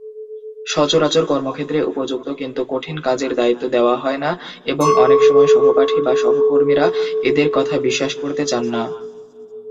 সচরাচর কর্মক্ষেত্রে উপযুক্ত কিন্তু কঠিন কাজের দায়িত্ব দেওয়া হয়না এবং অনেকসময় সহপাঠী বা সহকর্মীরা এদের কথা বিশ্বাস করতে চান না।